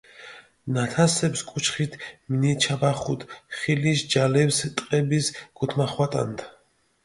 ნათასეფს კუჩხით მინიჩაბახუდჷ, ხილიშ ჯალეფს ტყების გუთმახვატანდჷ.